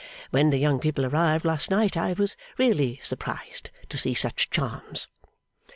When the young people arrived last night, I was really surprised to see such charms.